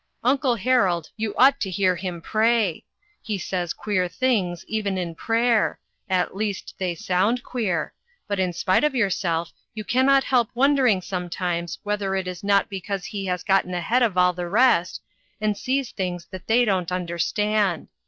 Uncle Harold, you ought to hear DANGERS SEEN AND UNSEEN. 3/9 him pray ! He says queer things even in prayer ; at least, they sound queer ; but in spite of yourself you can not help wonder ing sometimes whether it is not because he has gotten ahead of all the rest, and sees things that they don't understand.